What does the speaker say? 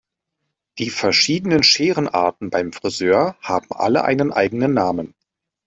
Die verschiedenen Scherenarten beim Frisör haben alle einen eigenen Namen.